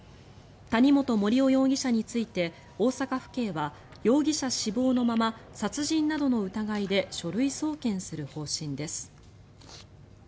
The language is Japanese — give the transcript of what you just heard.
谷本盛雄容疑者について大阪府警は容疑者死亡のまま殺人などの疑いで書類送検する方針です。